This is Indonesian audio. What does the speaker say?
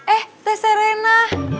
eh teh serena